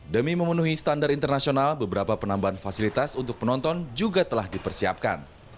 demi memenuhi standar internasional beberapa penambahan fasilitas untuk penonton juga telah dipersiapkan